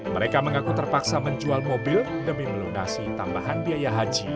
mereka mengaku terpaksa menjual mobil demi melunasi tambahan biaya haji